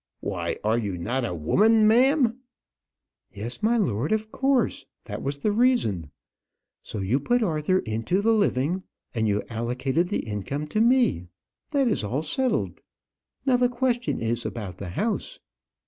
Why, are you not a woman, ma'am?" "Yes, my lord, of course; that was the reason. So you put Arthur into the living, and you allocated the income to me. That is all settled. But now the question is about the house."